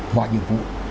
mọi nhiệm vụ